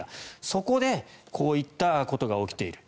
そこでこういったことが起きている。